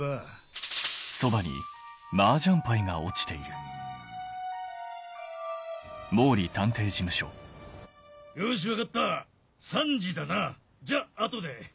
うん。よし分かった３時だなじゃ後で。